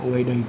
người đầy tớ